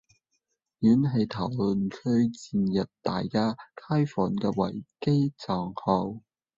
有人喺討論區建議大家開返個維基帳號